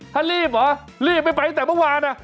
ถ้ารีบเหรอรีบไม่ไปตั้งแต่เมื่อวานอ่ะ